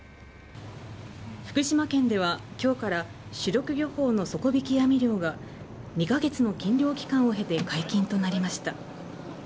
福島県では今日から主力漁法の底引き網漁が２カ月の禁漁期間を経て解禁となりました。